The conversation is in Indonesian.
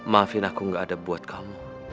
maafin aku gak ada buat kamu